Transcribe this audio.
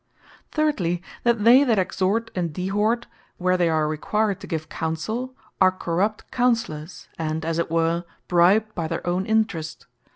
Thirdly, that they that Exhort and Dehort, where they are required to give Counsell, are corrupt Counsellours, and as it were bribed by their own interest.